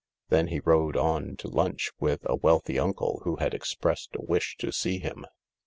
Then he rode on to lunch with a wealthy uncle who had expressed a wish to see him.